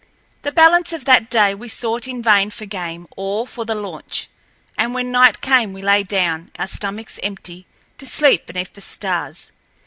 The balance of that day we sought in vain for game or for the launch, and when night came we lay down, our stomachs empty, to sleep beneath the stars.